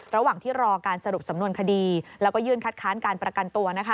ระหว่างที่รอการสรุปสำนวนคดีแล้วก็ยื่นคัดค้านการประกันตัว